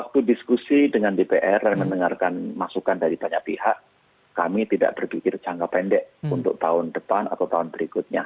waktu diskusi dengan dpr dan mendengarkan masukan dari banyak pihak kami tidak berpikir jangka pendek untuk tahun depan atau tahun berikutnya